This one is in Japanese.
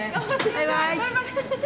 バイバイ！